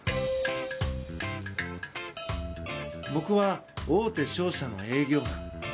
僕は大手商社の営業マン。